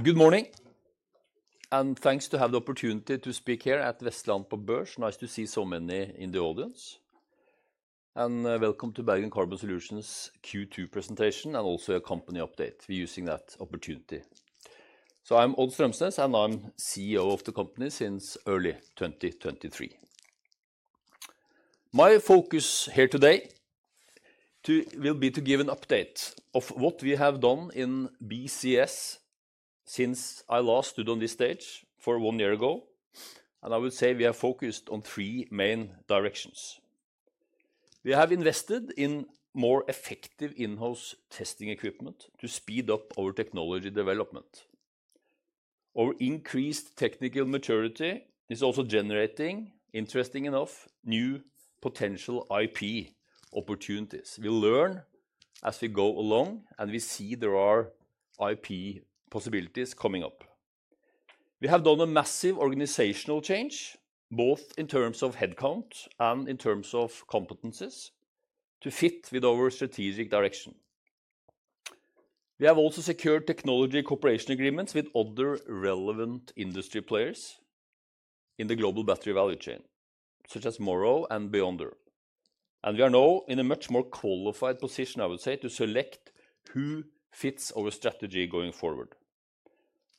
Good morning, and thanks to have the opportunity to speak here at Vestland på Børs. Nice to see so many in the audience. Welcome to Bergen Carbon Solutions' Q2 presentation and also a company update. We're using that opportunity. I'm Odd Strømsnes, and I'm CEO of the company since early 2023. My focus here today will be to give an update of what we have done in BCS since I last stood on this stage one year ago. I would say we have focused on three main directions. We have invested in more effective in-house testing equipment to speed up our technology development. Our increased technical maturity is also generating, interestingly enough, new potential IP opportunities. We learn as we go along, and we see there are IP possibilities coming up. We have done a massive organizational change, both in terms of headcount and in terms of competencies, to fit with our strategic direction. We have also secured technology cooperation agreements with other relevant industry players in the global battery value chain, such as Morrow and Beyonder. We are now in a much more qualified position, I would say, to select who fits our strategy going forward.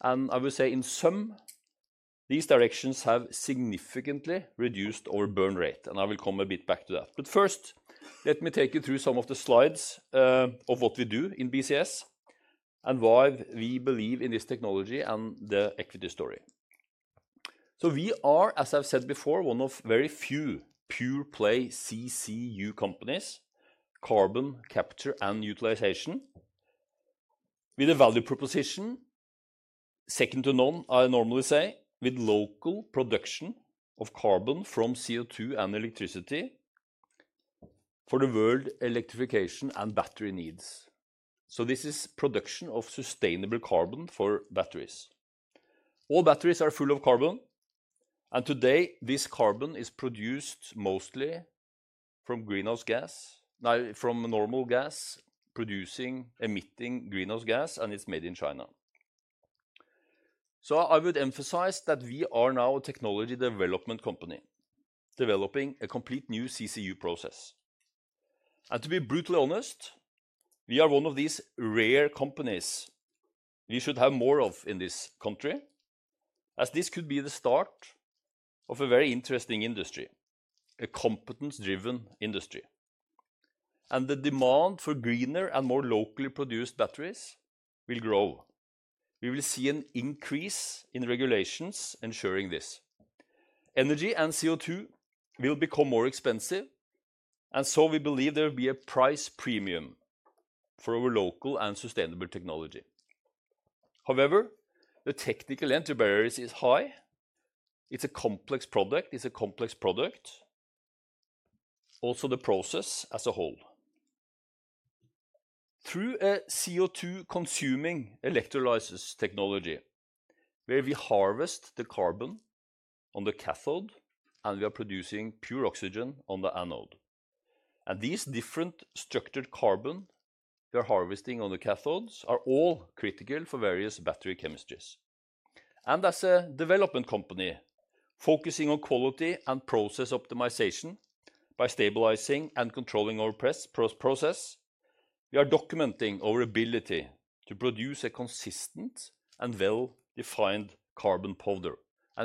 I would say in sum, these directions have significantly reduced our burn rate, and I will come a bit back to that. First, let me take you through some of the slides of what we do in BCS and why we believe in this technology and the equity story. We are, as I've said before, one of very few pure-play CCU companies, carbon capture and utilization, with a value proposition second to none, I normally say, with local production of carbon from CO2 and electricity for the world electrification and battery needs. This is production of sustainable carbon for batteries. All batteries are full of carbon, and today this carbon is produced mostly from greenhouse gas, from normal gas producing, emitting greenhouse gas, and it's made in China. I would emphasize that we are now a technology development company developing a complete new CCU process. To be brutally honest, we are one of these rare companies we should have more of in this country, as this could be the start of a very interesting industry, a competence-driven industry. The demand for greener and more locally produced batteries will grow. We will see an increase in regulations ensuring this. Energy and CO2 will become more expensive, and we believe there will be a price premium for our local and sustainable technology. However, the technical entry barriers are high. It's a complex product. It's a complex product. Also, the process as a whole. Through a CO2-consuming electrolysis technology, where we harvest the carbon on the cathode, and we are producing pure oxygen on the anode. These different structured carbon we are harvesting on the cathodes are all critical for various battery chemistries. As a development company focusing on quality and process optimization by stabilizing and controlling our process, we are documenting our ability to produce a consistent and well-defined carbon powder.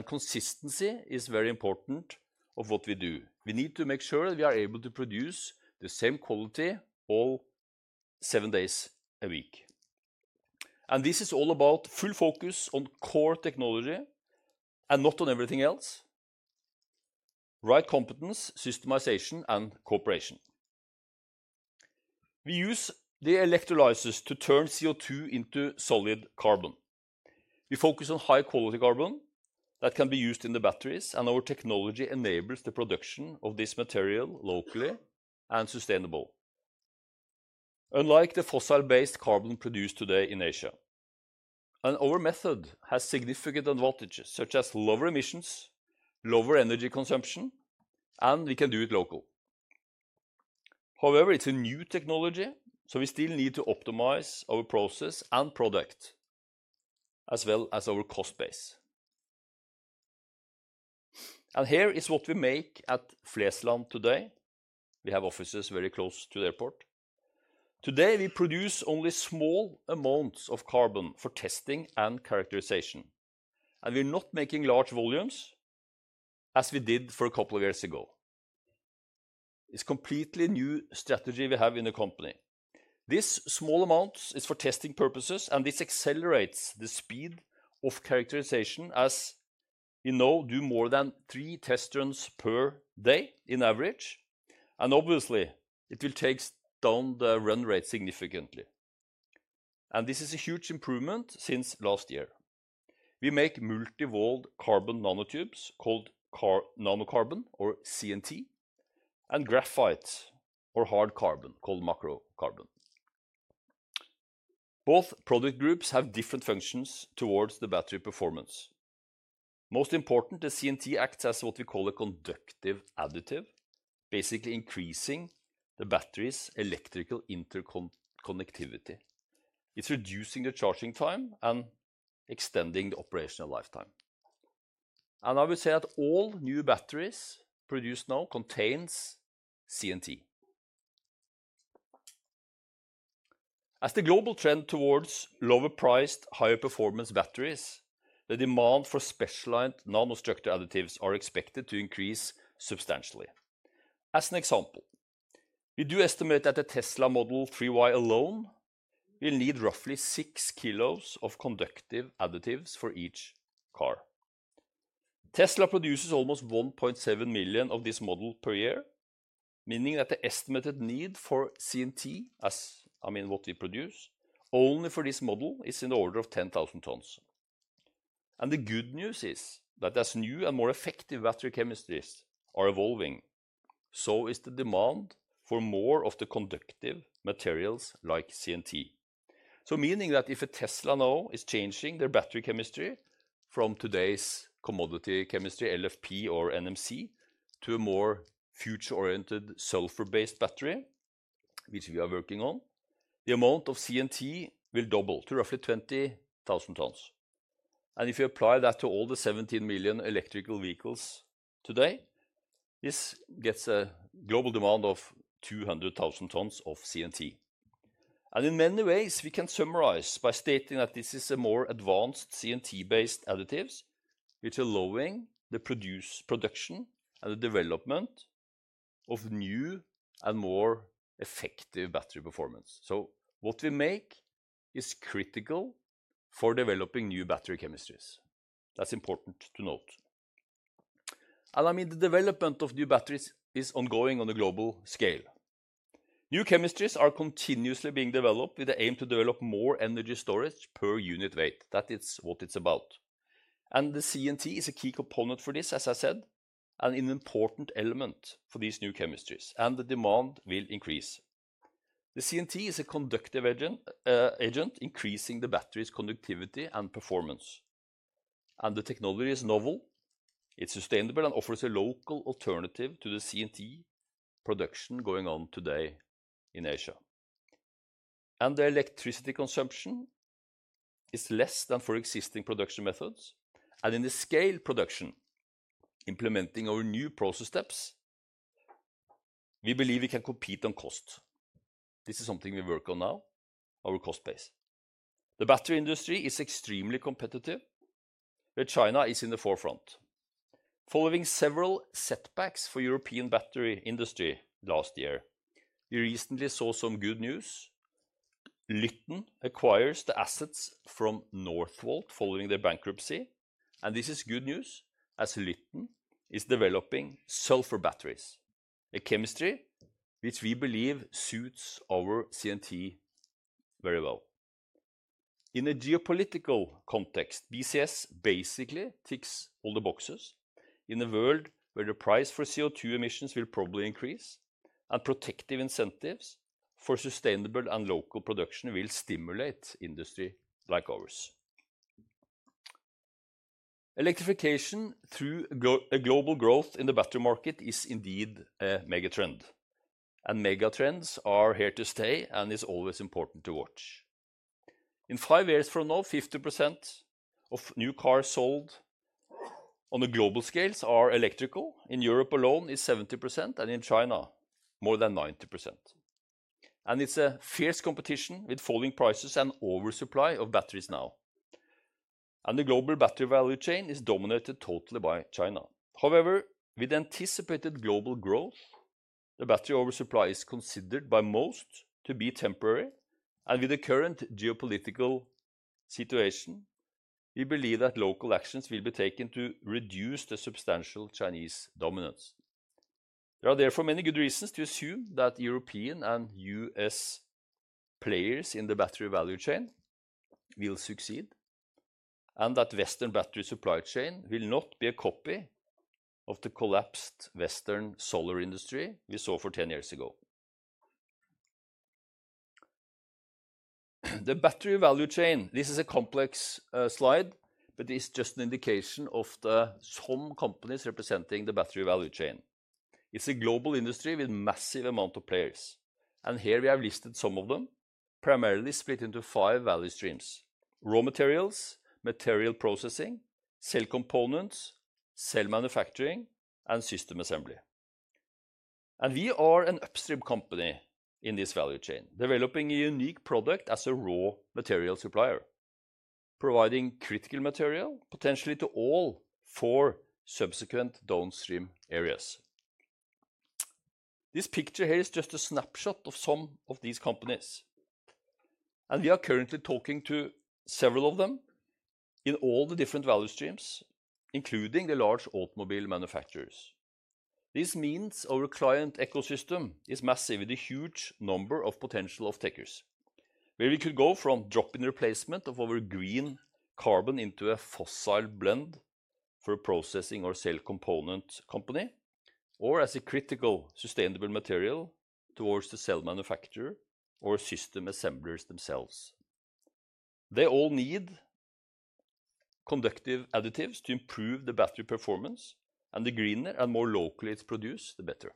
Consistency is very important for what we do. We need to make sure that we are able to produce the same quality all seven days a week. This is all about full focus on core technology and not on everything else. Right competence, systemization, and cooperation. We use the electrolysis to turn CO2 into solid carbon. We focus on high-quality carbon that can be used in the batteries, and our technology enables the production of this material locally and sustainably, unlike the fossil-based carbon produced today in Asia. Our method has significant advantages, such as lower emissions, lower energy consumption, and we can do it locally. However, it's a new technology, so we still need to optimize our process and product, as well as our cost base. Here is what we make at Vestland today. We have offices very close to the airport. Today, we produce only small amounts of carbon for testing and characterization. We're not making large volumes as we did for a couple of years ago. It's a completely new strategy we have in the company. This small amount is for testing purposes, and this accelerates the speed of characterization as we now do more than three test runs per day in average. Obviously, it will take down the run rate significantly. This is a huge improvement since last year. We make multivol Carbon Nanotubes called nanocarbon, or CNT, and graphite, or hard carbon called macrocarbon. Both product groups have different functions towards the battery performance. Most important, the CNT acts as what we call a conductive additive, basically increasing the battery's electrical interconnectivity. It's reducing the charging time and extending the operational lifetime. I would say that all new batteries produced now contain CNT as the global trend towards lower priced, higher performance batteries. The demand for specialized nanostructure additives is expected to increase substantially. As an example, we do estimate that the Tesla Model 3Y alone will need roughly 6 kilos of conductive additives for each car. Tesla produces almost 1.7 million of this model per year, meaning that the estimated need for CNT, as I mean what we produce, only for this model is in the order of 10,000 tons. The good news is that as new and more effective battery chemistries are evolving, so is the demand for more of the conductive materials like CNT. If a Tesla now is changing their battery chemistry from today's commodity chemistry, LFP or NMC, to a more future-oriented sulfur-based battery, which we are working on, the amount of CNT will double to roughly 20,000tons If you apply that to all the 17 million electrical vehicles today, this gets a global demand of 200,000 tons of CNT. In many ways, we can summarize by stating that this is a more advanced CNT-based additive, which is allowing the production and the development of new and more effective battery performance. What we make is critical for developing new battery chemistries. That's important to note. The development of new batteries is ongoing on a global scale. New chemistries are continuously being developed with the aim to develop more energy storage per unit weight. That is what it's about. The CNT is a key component for this, as I said, and an important element for these new chemistries, and the demand will increase. The CNT is a conductive agent, increasing the battery's conductivity and performance. The technology is novel. It's sustainable and offers a local alternative to the CNT production going on today in Asia. The electricity consumption is less than for existing production methods. In the scale production, implementing our new process steps, we believe we can compete on cost. This is something we work on now, our cost base. The battery industry is extremely competitive, where China is in the forefront. Following several setbacks for the European battery industry last year, we recently saw some good news. Lyten acquires the assets from Northvolt following their bankruptcy, and this is good news as Lyten is developing sulfur batteries, a chemistry which we believe suits our CNT very well. In a geopolitical context, BCS basically ticks all the boxes in a world where the price for CO2 emissions will probably increase, and protective incentives for sustainable and local production will stimulate industries like ours. Electrification through global growth in the battery market is indeed a megatrend. Megatrends are here to stay and are always important to watch. In five years from now, 50% of new cars sold on the global scales are electrical. In Europe alone, it's 70%, and in China, more than 90%. It's a fierce competition with falling prices and oversupply of batteries now. The global battery value chain is dominated totally by China. However, with anticipated global growth, the battery oversupply is considered by most to be temporary. With the current geopolitical situation, we believe that local actions will be taken to reduce the substantial Chinese dominance. There are therefore many good reasons to assume that European and U.S. players in the battery value chain will succeed, and that Western battery supply chain will not be a copy of the collapsed Western solar industry we saw 10 years ago. The battery value chain, this is a complex slide, but it's just an indication of the SOM companies representing the battery value chain. It's a global industry with a massive amount of players. Here we have listed some of them, primarily split into five value streams: raw materials, material processing, cell components, cell manufacturing, and system assembly. We are an upstream company in this value chain, developing a unique product as a raw material supplier, providing critical material potentially to all four subsequent downstream areas. This picture here is just a snapshot of some of these companies. We are currently talking to several of them in all the different value streams, including the large automobile manufacturers. This means our client ecosystem is massive with a huge number of potential off-takers, where we could go from dropping the replacement of our green carbon into a fossil blend for processing or cell component company, or as a critical sustainable material towards the cell manufacturer or system assemblers themselves. They all need conductive additives to improve the battery performance, and the greener and more locally it's produced, the better.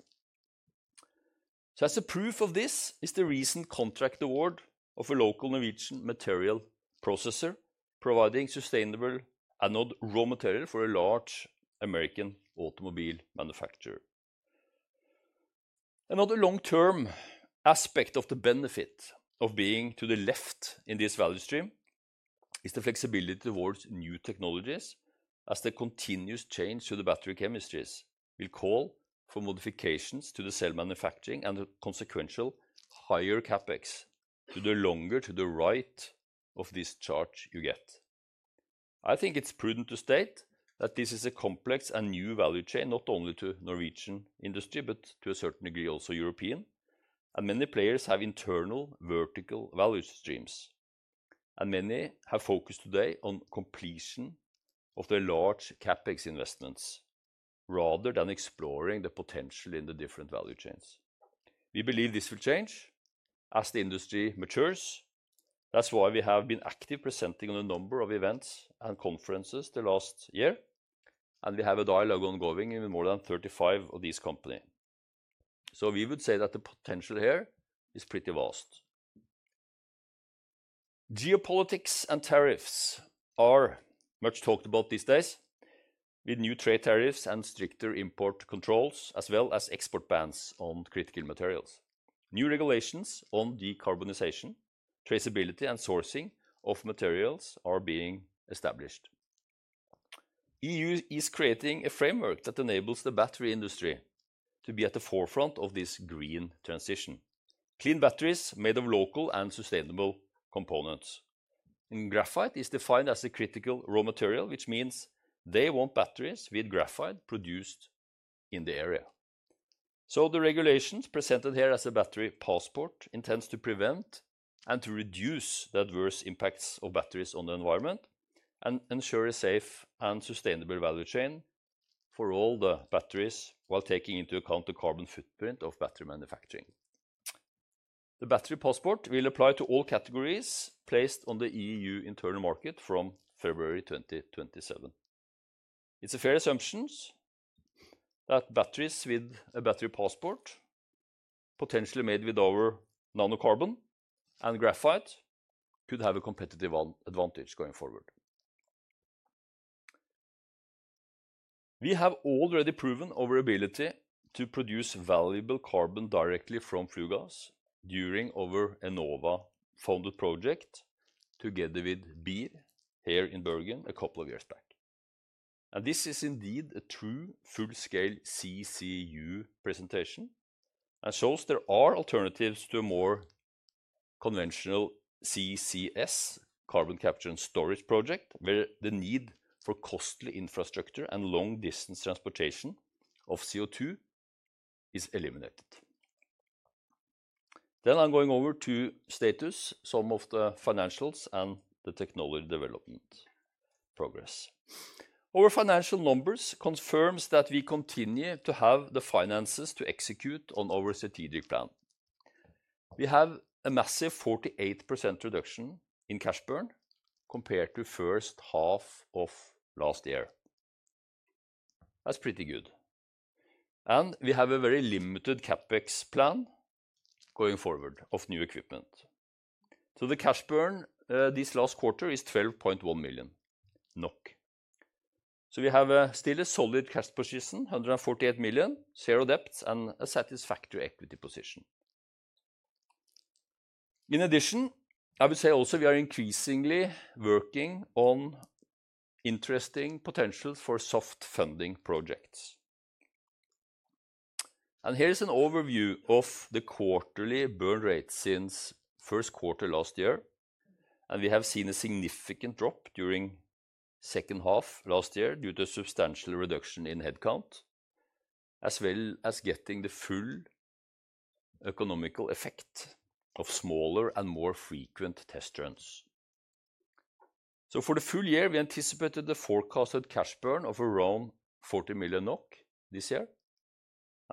As proof of this is the recent contract award of a local Norwegian material processor, providing sustainable anode raw material for a large American automobile manufacturer. Another long-term aspect of the benefit of being to the left in this value stream is the flexibility towards new technologies, as the continuous change to the battery chemistries will call for modifications to the cell manufacturing and a consequential higher CapEx the longer to the right of this chart you get. I think it's prudent to state that this is a complex and new value chain, not only to the Norwegian industry, but to a certain degree also European. Many players have internal vertical value streams. Many have focused today on completion of their large CapEx investments rather than exploring the potential in the different value chains. We believe this will change as the industry matures. That's why we have been actively presenting at a number of events and conferences the last year. We have a dialogue ongoing with more than 35 of these companies. We would say that the potential here is pretty vast. Geopolitics and tariffs are much talked about these days, with new trade tariffs and stricter import controls, as well as export bans on critical materials. New regulations on decarbonization, traceability, and sourcing of materials are being established. The EU is creating a framework that enables the battery industry to be at the forefront of this green transition. Clean batteries made of local and sustainable components. Graphite is defined as a critical raw material, which means they want batteries with graphite produced in the area. The regulations presented here as a battery passport intend to prevent and to reduce the adverse impacts of batteries on the environment and ensure a safe and sustainable value chain for all the batteries, while taking into account the carbon footprint of battery manufacturing. The battery passport will apply to all categories placed on the EU internal market from February 2027. It's a fair assumption that batteries with a battery passport, potentially made with our nanocarbon and graphite, could have a competitive advantage going forward. We have already proven our ability to produce valuable carbon directly from flue gas during our Enova-funded project together with Beyonder here in Bergen a couple of years back. This is indeed a true full-scale CCU presentation and shows there are alternatives to a more conventional CCS, carbon capture and storage project, where the need for costly infrastructure and long-distance transportation of CO2 is eliminated. I am going over to status, some of the financials, and the technology development progress. Our financial numbers confirm that we continue to have the finances to execute on our strategic plan. We have a massive 48% reduction in cash burn compared to the first half of last year. That's pretty good. We have a very limited CapEx plan going forward of new equipment. The cash burn this last quarter is 12.1 million. We still have a solid cash position, 148 million, zero debts, and a satisfactory equity position. In addition, I would say also we are increasingly working on interesting potential for soft funding projects. Here is an overview of the quarterly burn rate since the first quarter last year. We have seen a significant drop during the second half last year due to a substantial reduction in headcount, as well as getting the full economical effect of smaller and more frequent test runs. For the full year, we anticipated the forecasted cash burn of around 40 million NOK this year.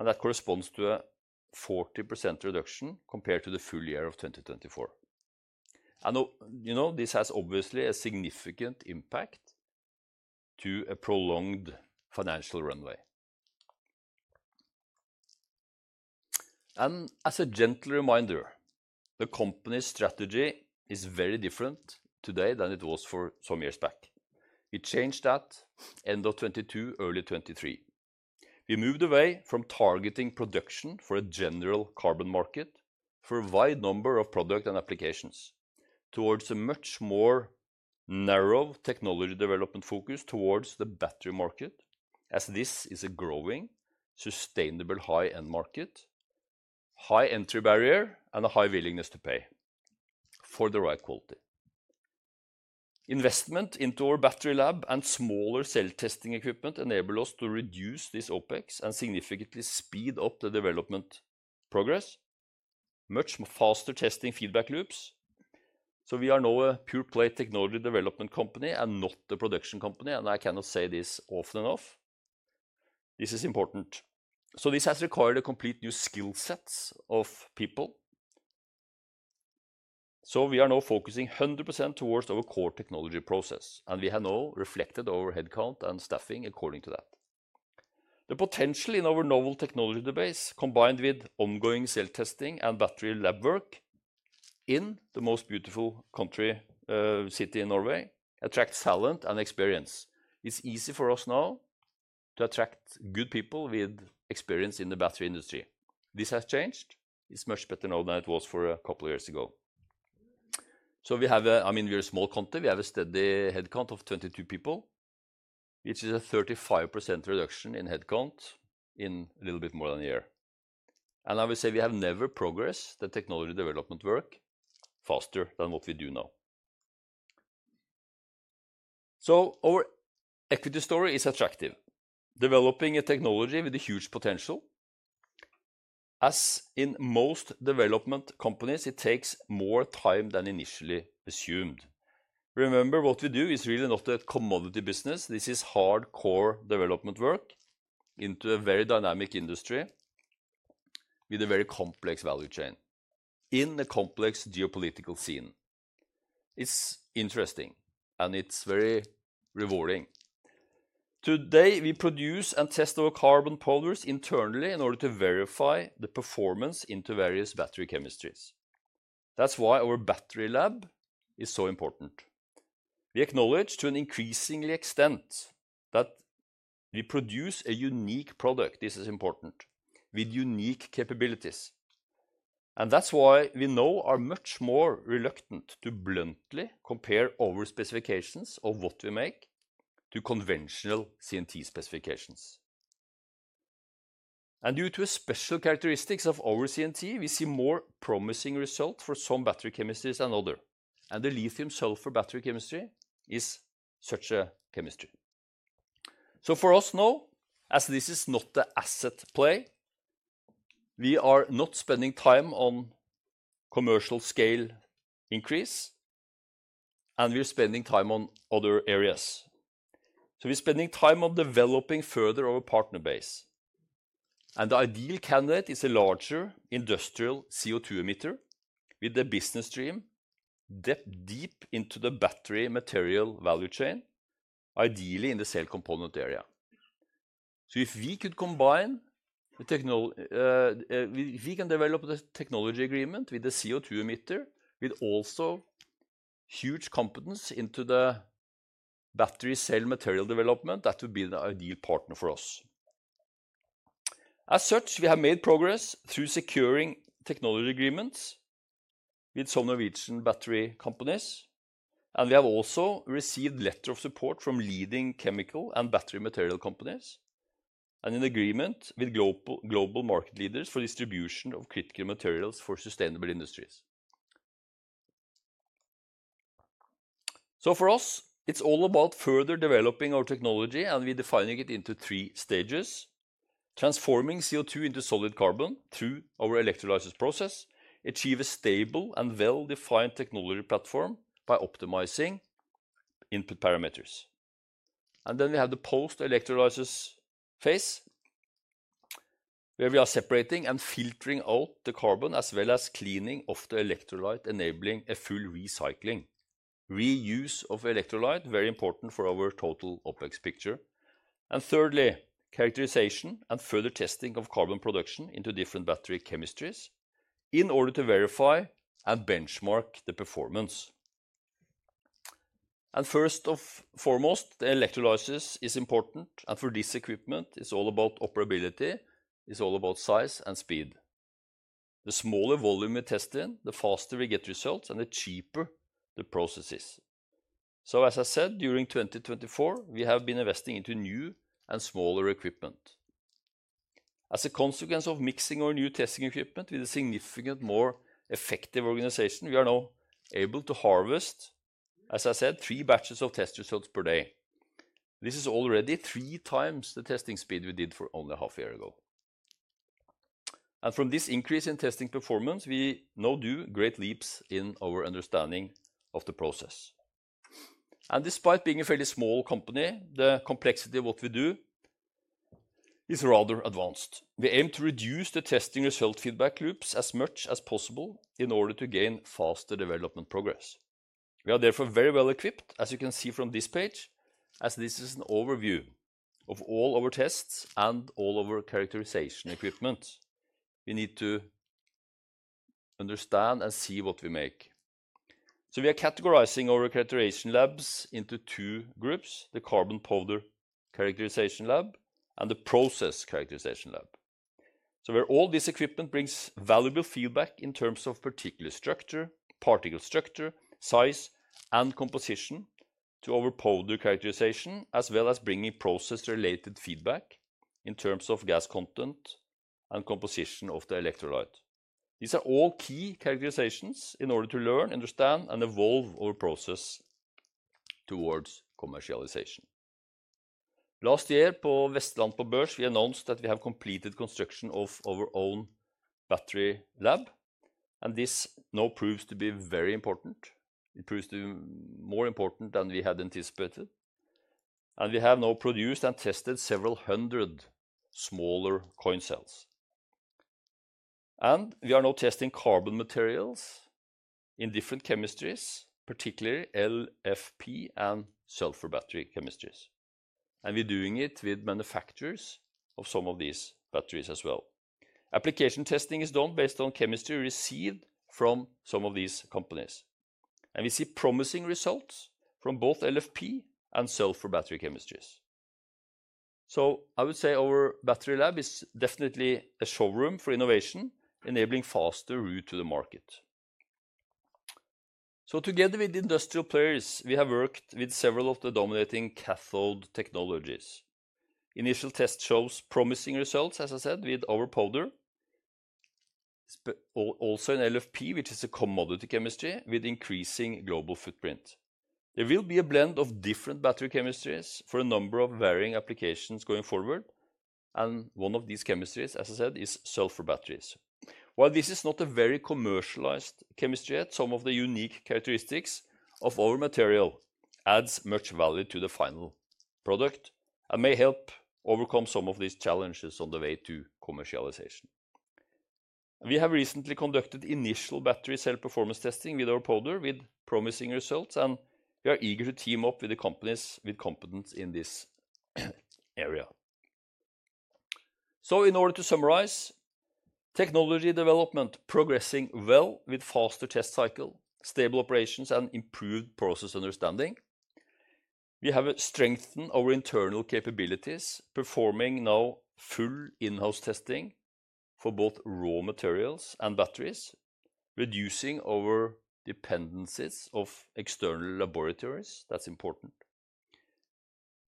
That corresponds to a 40% reduction compared to the full year of 2024. This has obviously a significant impact to a prolonged financial runway. As a gentle reminder, the company's strategy is very different today than it was for some years back. We changed that end of 2022, early 2023. We moved away from targeting production for a general carbon market for a wide number of products and applications towards a much more narrow technology development focus towards the battery market, as this is a growing, sustainable high-end market, high entry barrier, and a high willingness to pay for the right quality. Investment into our battery lab and smaller cell testing equipment enables us to reduce this OpEx and significantly speed up the development progress, much faster testing feedback loops. We are now a pure-play technology development company and not a production company, and I cannot say this often enough. This is important. This has required a complete new skill set of people. We are now focusing 100% towards our core technology process, and we have now reflected our headcount and staffing according to that. The potential in our novel technology base, combined with ongoing cell testing and battery lab work in the most beautiful country, city in Norway, attracts talent and experience. It's easy for us now to attract good people with experience in the battery industry. This has changed. It's much better now than it was a couple of years ago. We have a steady headcount of 22 people, which is a 35% reduction in headcount in a little bit more than a year. I would say we have never progressed the technology development work faster than what we do now. Our equity story is attractive, developing a technology with a huge potential. As in most development companies, it takes more time than initially assumed. Remember, what we do is really not a commodity business. This is hardcore development work into a very dynamic industry with a very complex value chain in a complex geopolitical scene. It's interesting, and it's very rewarding. Today, we produce and test our carbon polymers internally in order to verify the performance into various battery chemistries. That's why our battery lab is so important. We acknowledge to an increasing extent that we produce a unique product. This is important with unique capabilities. That's why we now are much more reluctant to bluntly compare our specifications of what we make to conventional CNT specifications. Due to the special characteristics of our CNT, we see more promising results for some battery chemistries than others. The lithium-sulfur battery chemistry is such a chemistry. For us now, as this is not the asset play, we are not spending time on commercial scale increase, and we're spending time on other areas. We're spending time on developing further our partner base. The ideal candidate is a larger industrial CO2 emitter with a business stream that's deep into the battery material value chain, ideally in the cell component area. If we could combine the technology, if we can develop the technology agreement with the CO2 emitter with also huge competence into the battery cell material development, that would be the ideal partner for us. As such, we have made progress through securing technology agreements with some Norwegian battery companies, and we have also received letters of support from leading chemical and battery material companies and an agreement with global market leaders for distribution of critical materials for sustainable industries. For us, it's all about further developing our technology, and we're defining it into three stages: transforming CO2 into solid carbon through our electrolysis-based process, achieve a stable and well-defined technology platform by optimizing input parameters. Then we have the post-electrolysis phase, where we are separating and filtering out the carbon as well as cleaning off the electrolyte, enabling a full recycling. Reuse of electrolyte is very important for our total OpEx picture. Thirdly, characterization and further testing of carbon production into different battery chemistries in order to verify and benchmark the performance. First and foremost, the electrolysis is important, and for this equipment, it's all about operability. It's all about size and speed. The smaller volume we test in, the faster we get results, and the cheaper the process is. During 2024, we have been investing into new and smaller equipment. As a consequence of mixing our new testing equipment with a significantly more effective organization, we are now able to harvest, as I said, three batches of test results per day. This is already three times the testing speed we did for only half a year ago. From this increase in testing performance, we now do great leaps in our understanding of the process. Despite being a fairly small company, the complexity of what we do is rather advanced. We aim to reduce the testing result feedback loops as much as possible in order to gain faster development progress. We are therefore very well equipped, as you can see from this page, as this is an overview of all our tests and all our characterization equipment. We need to understand and see what we make. We are categorizing our characterization labs into two groups: the carbon powder characterization lab and the process characterization lab. All this equipment brings valuable feedback in terms of particulate structure, particle structure, size, and composition to our powder characterization, as well as bringing process-related feedback in terms of gas content and composition of the electrolyte. These are all key characterizations in order to learn, understand, and evolve our process towards commercialization. Last year, at Vestland på Børs, we announced that we have completed construction of our own battery lab, and this now proves to be very important. It proves to be more important than we had anticipated. We have now produced and tested several hundred smaller coin cells. We are now testing carbon materials in different chemistries, particularly LFP and sulfur battery chemistries. We're doing it with manufacturers of some of these batteries as well. Application testing is done based on chemistry we see from some of these companies. We see promising results from both LFP and sulfur battery chemistries. I would say our battery lab is definitely a showroom for innovation, enabling faster route to the market. Together with the industrial players, we have worked with several of the dominating cathode technologies. Initial test shows promising results, as I said, with our powder. Also in LFP, which is a commodity chemistry with increasing global footprint. There will be a blend of different battery chemistries for a number of varying applications going forward. One of these chemistries, as I said, is sulfur batteries. While this is not a very commercialized chemistry yet, some of the unique characteristics of our material add much value to the final product and may help overcome some of these challenges on the way to commercialization. We have recently conducted initial battery cell performance testing with our powder with promising results, and we are eager to team up with the companies with competence in this area. In order to summarize, technology development is progressing well with a faster test cycle, stable operations, and improved process understanding. We have strengthened our internal capabilities, performing now full in-house testing for both raw materials and batteries, reducing our dependencies on external laboratories. That's important.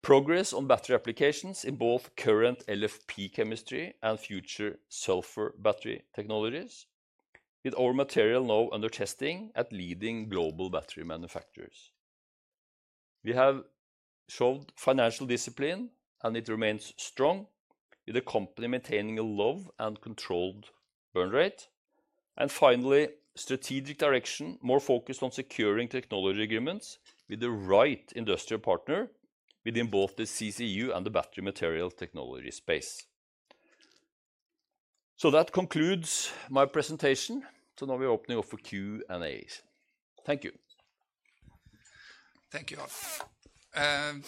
Progress on battery applications in both current LFP chemistry and future sulfur battery technologies, with our material now under testing at leading global battery manufacturers. We have shown financial discipline, and it remains strong with the company maintaining a low and controlled burn rate. Finally, strategic direction, more focused on securing technology agreements with the right industrial partner within both the CCU and the battery material technology space. That concludes my presentation. Now we're opening up for Q&A. Thank you. Thank you, Odd.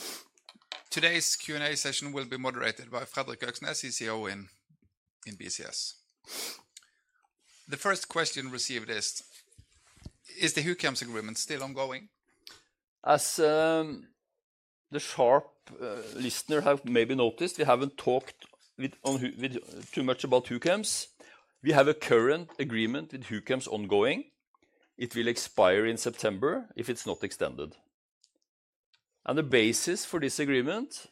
Today's Q&A session will be moderated by Fredrik Oksnes, CCO in BCS. The first question received is, is the Huchems agreement still ongoing? As the sharp listener has maybe noticed, we haven't talked too much about Huchems. We have a current agreement with TKG Huchems ongoing. It will expire in September if it's not extended. The basis for this agreement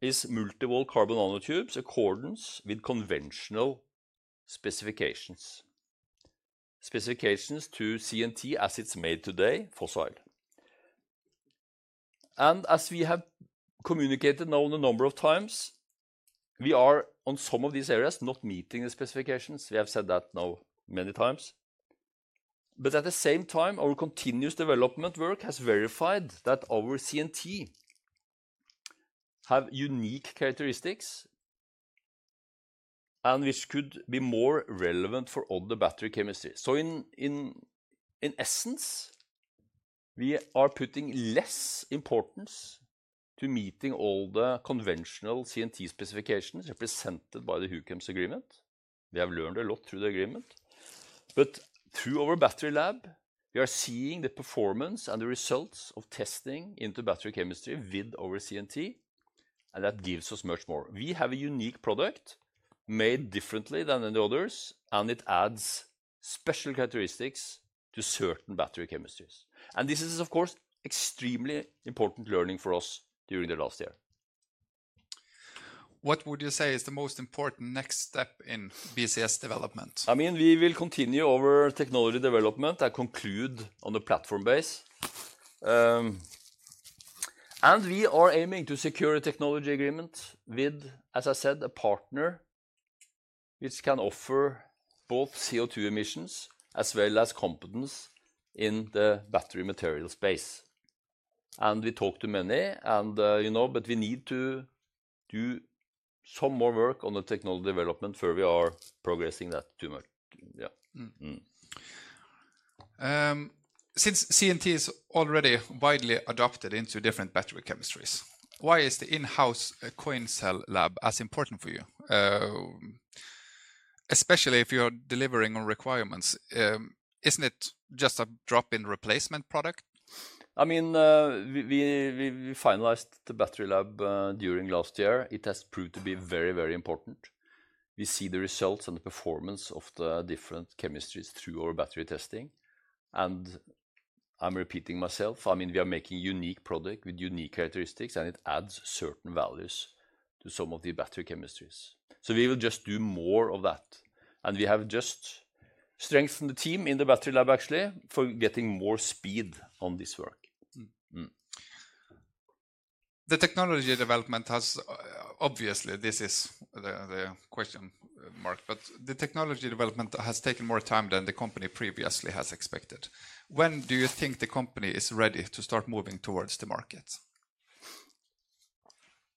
is multiple carbon nanotubes in accordance with conventional specifications. Specifications to CNT as it's made today, fossils. As we have communicated now a number of times, we are on some of these areas not meeting the specifications. We have said that now many times. At the same time, our continuous development work has verified that our CNT has unique characteristics, which could be more relevant for all the battery chemistries. In essence, we are putting less importance to meeting all the conventional CNT specifications represented by the TKG Huchems agreement. We have learned a lot through the agreement. Through our battery lab, we are seeing the performance and the results of testing into battery chemistry with our CNT, and that gives us much more. We have a unique product made differently than any others, and it adds special characteristics to certain battery chemistries. This is, of course, extremely important learning for us during the last year. What would you say is the most important next step in BCS development? I mean, we will continue our technology development and conclude on the platform base. We are aiming to secure a technology agreement with, as I said, a partner which can offer both CO2 emissions as well as competence in the battery material space. We talked to many, and you know, but we need to do some more work on the technology development. We are progressing that too much. Since CNT is already widely adopted into different battery chemistries, why is the in-house coin cell lab as important for you? Especially if you are delivering on requirements, isn't it just a drop-in replacement product? I mean, we finalized the battery lab during last year. It has proved to be very, very important. We see the results and the performance of the different chemistries through our battery testing. I'm repeating myself, I mean, we are making a unique product with unique characteristics, and it adds certain values to some of these battery chemistries. We will just do more of that. We have just strengthened the team in the battery lab, actually, for getting more speed on this work. The technology development has, obviously, this is the question mark, but the technology development has taken more time than the company previously has expected. When do you think the company is ready to start moving towards the market ?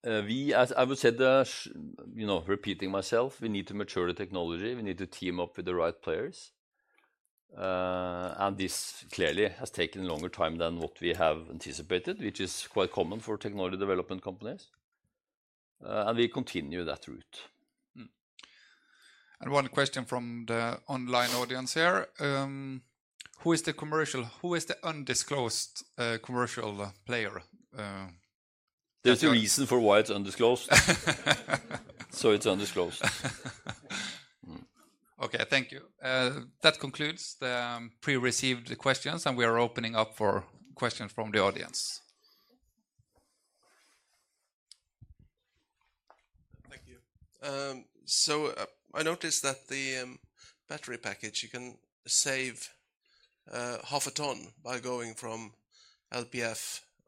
We, as I would say, you know, repeating myself, we need to mature the technology. We need to team up with the right players. This clearly has taken longer time than what we have anticipated, which is quite common for technology development companies. We continue that route. One question from the online audience here: Who is the commercial, who is the undisclosed commercial player? There's a reason for why it's undisclosed. So it's undisclosed. Thank you. That concludes the pre-received questions, and we are opening up for questions from the audience. Thank you. I noticed that the battery package, you can save half a ton by going from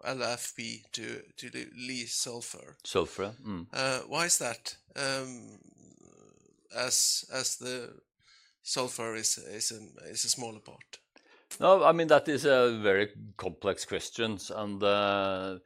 LFP to the lithium-sulfur. Sulfur. Why is that? As the sulfur is a smaller part? No, I mean, that is a very complex question. The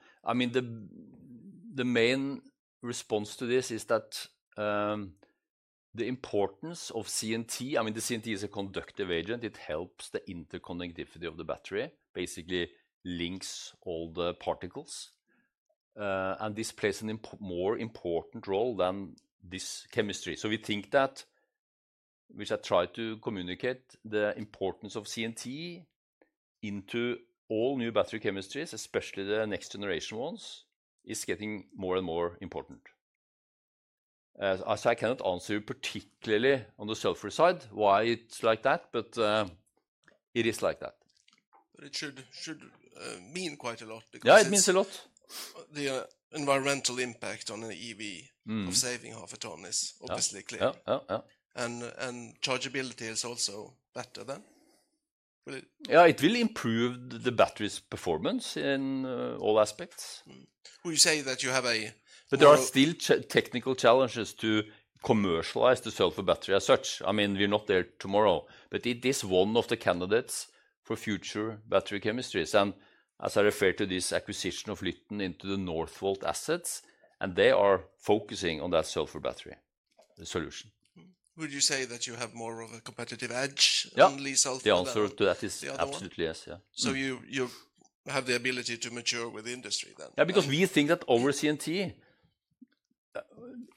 main response to this is that the importance of CNT, I mean, the CNT is a conductive agent. It helps the interconnectivity of the battery, basically links all the particles. This plays a more important role than this chemistry. We think that, which I tried to communicate, the importance of CNT into all new battery chemistries, especially the next generation ones, is getting more and more important. I cannot answer particularly on the sulfur side, why it's like that, but it is like that. It should mean quite a lot. Yeah, it means a lot. The environmental impact on an EV saving half a ton is obviously clear. Yeah, yeah, yeah. Chargeability is also better then. Yeah, it will improve the battery's performance in all aspects. Would you say that you have a... There are still technical challenges to commercialize the sulfur battery as such. We're not there tomorrow, but it is one of the candidates for future battery chemistries. As I refer to this acquisition of Lyten into the Northvolt assets, and they are focusing on that sulfur battery solution. Would you say that you have more of a competitive edge on the sulfur? The answer to that is absolutely yes. So you have the ability to mature with the industry then. Yeah, because we think that our CNT,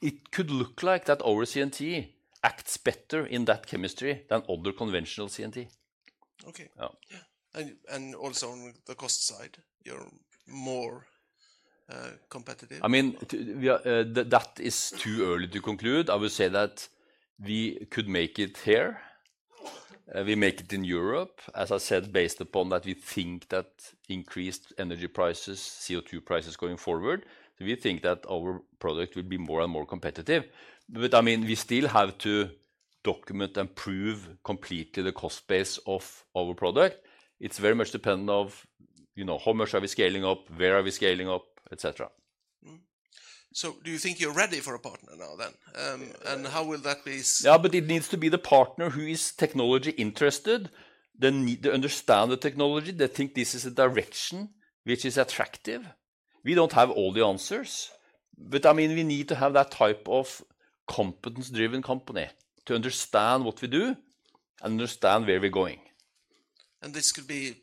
it could look like that our CNT acts better in that chemistry than other conventional CNT. Okay. Yeah. Also on the cost side, you're more competitive. I mean, that is too early to conclude. I would say that we could make it here. We make it in Europe, as I said, based upon that we think that increased energy prices, CO2 prices going forward, we think that our product will be more and more competitive. We still have to document and prove completely the cost base of our product. It's very much dependent on how much are we scaling up, where are we scaling up, et cetera. Do you think you're ready for a partner now then? How will that be? It needs to be the partner who is technology interested, who understands the technology. They think this is a direction which is attractive. We don't have all the answers, but we need to have that type of competence-driven company to understand what we do and understand where we're going. This could be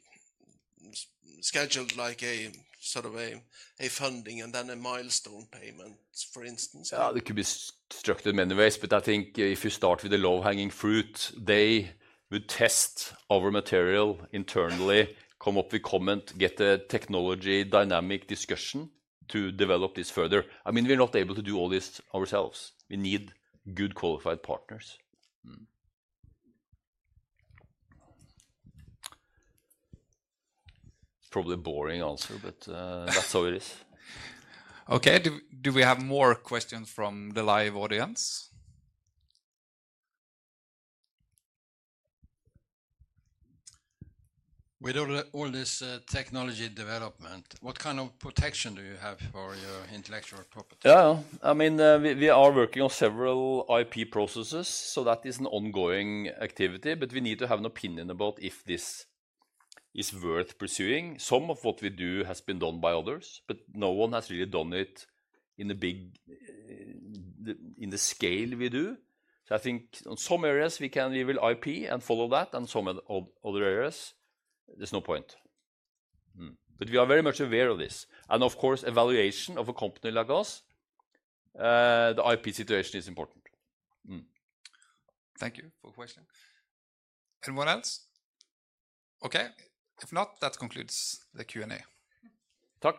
scheduled like a sort of a funding and then a milestone payment, for instance. It could be structured in many ways, but I think if you start with the low-hanging fruit, they would test our material internally, come up with comment, get a technology dynamic discussion to develop this further. We're not able to do all this ourselves. We need good qualified partners. It's probably a boring answer, but that's how it is. Okay, do we have more questions from the live audience? With all this technology development, what kind of protection do you have for your intellectual property? We are working on several IP processes, so that is an ongoing activity, but we need to have an opinion about if this is worth pursuing. Some of what we do has been done by others, but no one has really done it in the big, in the scale we do. I think in some areas we can, we will IP and follow that, and some other areas, there's no point. We are very much aware of this. Of course, evaluation of a company like us, the IP situation is important. Thank you for the question. What else? If not, that concludes the Q&A.